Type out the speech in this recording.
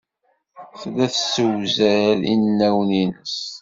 Tella tessewzal inawen-nnes.